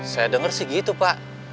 saya denger sih gitu pak